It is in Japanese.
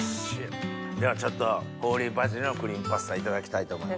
ではちょっとホーリーバジルのクリームパスタいただきたいと思います。